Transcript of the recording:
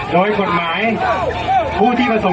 โดยกฎหมายผู้ที่ผสม